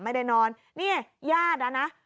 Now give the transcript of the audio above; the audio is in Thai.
ไม่ได้นอนเนี่ยญาติอ่ะนะ